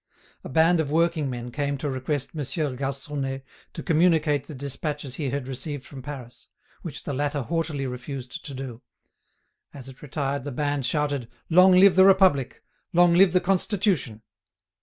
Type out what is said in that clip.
A band of working men came to request Monsieur Garconnet to communicate the despatches he had received from Paris, which the latter haughtily refused to do; as it retired the band shouted: "Long live the Republic! Long live the Constitution!"